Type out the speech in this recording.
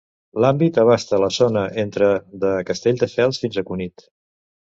L’àmbit abasta la zona entre de Castelldefels fins a Cunit.